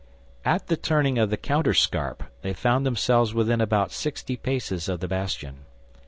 At the turning of the counterscarp they found themselves within about sixty paces of the bastion.